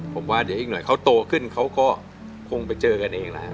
ผมว่าเดี๋ยวอีกหน่อยเขาโตขึ้นเขาก็คงไปเจอกันเองแล้ว